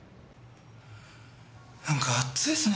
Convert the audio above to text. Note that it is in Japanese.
なんか暑いですね